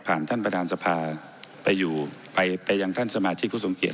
ผ่านท่านประธานสภาไปอยู่ไปยังท่านสมาชิกผู้สงเกต